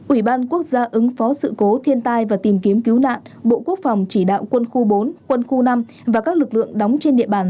ủy ban quốc gia ứng phó sự cố thiên tai và tìm kiếm cứu nạn bộ quốc phòng chỉ đạo quân khu bốn quân khu năm và các lực lượng đóng trên địa bàn